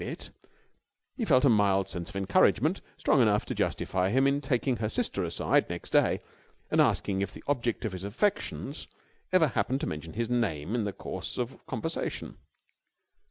bit, he felt a mild sense of encouragement, strong enough to justify him in taking her sister aside next day and asking if the object of his affections ever happened to mention his name in the course of conversation.